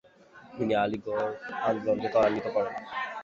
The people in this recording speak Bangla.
তিনি আলিগড় আন্দোলনকে ত্বরান্বিত করেন।